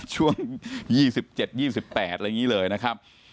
ช่วง๒๗๒๘อะไรอย่างนี้เลยนะครับ